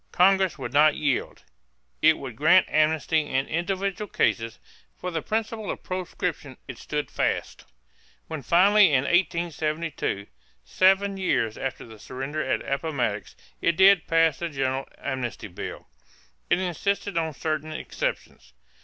Congress would not yield. It would grant amnesty in individual cases; for the principle of proscription it stood fast. When finally in 1872, seven years after the surrender at Appomattox, it did pass the general amnesty bill, it insisted on certain exceptions.